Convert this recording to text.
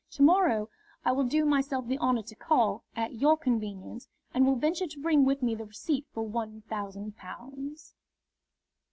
To morrow I will do myself the honour to call, at your convenience, and will venture to bring with me the receipt for one thousand pounds."